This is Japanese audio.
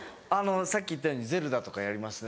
さっき言ったように『ゼルダ』とかやりますね。